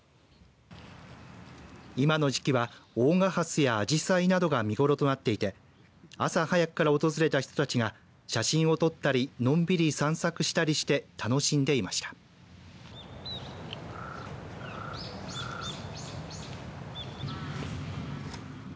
今の時期は大賀ハスやアジサイなどが見ごろとなっていて朝早くから訪れた人たちが写真を撮ったりのんびり散策したりして楽しんでいました。